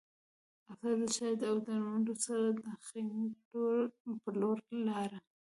افسر د چای او درملو سره د خیمې په لور لاړ